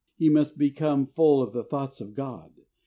He must become full of the thoughts of God.